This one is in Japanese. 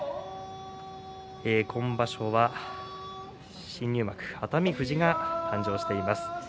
今場所は新入幕熱海富士が誕生しています。